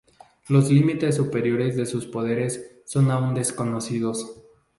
Los límites superiores de sus poderes son aún desconocidos.